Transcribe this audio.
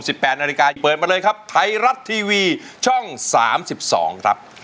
แปดนาฬิกาเปิดมาเลยครับไทยรัฐทีวีช่องสามสิบสองครับ